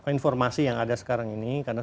informasi yang ada sekarang ini karena